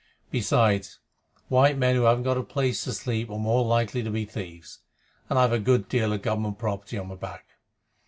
Besides, white men who haven't a place to sleep in are more than likely to be thieves, and I've a good deal of Government property on my back.